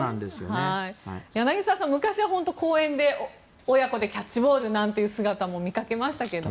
柳澤さん、昔は公園で親子でキャッチボールなんていう姿も見かけましたけどね。